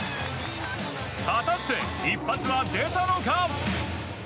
果たして、一発は出たのか？